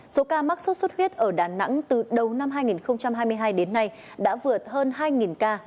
số ca mắc sốt xuất huyết ở đà nẵng từ đầu năm hai nghìn hai mươi hai đến nay đã vượt hơn hai ca